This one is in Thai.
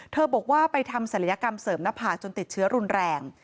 บอกว่าไปทำศัลยกรรมเสริมหน้าผากจนติดเชื้อรุนแรง